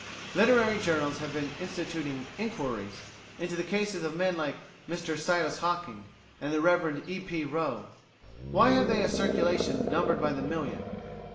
Literary journals have been instituting "inquiries" into the cases of men like Mr Silas Hocking and the Rev. E. P. Roe: why have they a circulation numbered by the million?